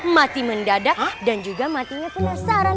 mati mendadak dan juga matinya penasaran